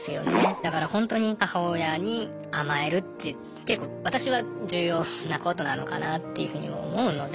だからほんとに母親に甘えるって結構私は重要なことなのかなっていうふうに思うので。